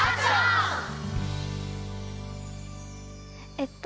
えっと